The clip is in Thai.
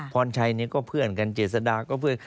พรชัยนี่ก็เพื่อนกันเจษดาก็เพื่อน